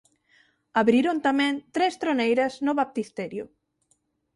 Abriron tamén tres troneiras no baptisterio.